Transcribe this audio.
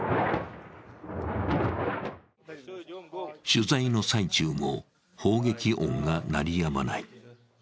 取材の最中も、砲撃音が鳴りやまない。